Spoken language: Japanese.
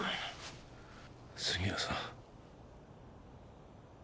杉浦さん。